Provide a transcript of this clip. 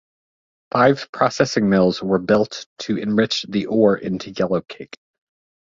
Five processing mills were built to enrich the ore into yellowcake.